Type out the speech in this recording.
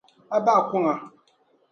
A bahi kuŋa.